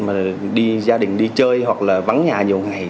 mà đi gia đình đi chơi hoặc là vắng nhà nhiều ngày